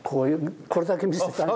これだけ見せたんじゃ。